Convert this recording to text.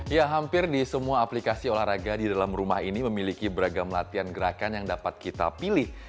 ya hampir di semua aplikasi olahraga di dalam rumah ini memiliki beragam latihan gerakan yang dapat kita pilih